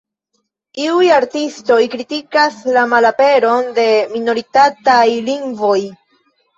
Iuj artistoj kritikas la malaperon de minoritataj lingvoj.